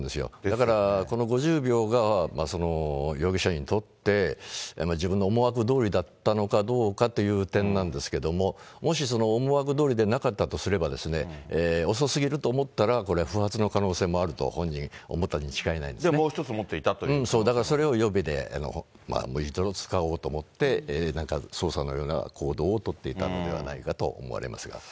だからこの５０秒が、容疑者にとって、自分の思惑どおりだったのかどうかという点なんですけれども、もし思惑どおりでなかったとすればですね、遅すぎると思ったら、これ不発の可能性もあると、もう１つ持っていたというこそう、だからそれを予備でもう一度使おうと思って捜査のような行動を取っていたのではないかと思いますが。